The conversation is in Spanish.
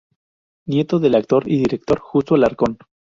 Nieto del actor y director Justo Alarcón.